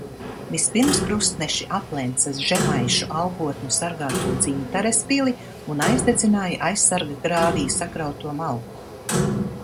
Vispirms krustneši aplenca žemaišu algotņu sargāto Dzintares pili un aizdedzināja aizsarggrāvī sakrauto malku.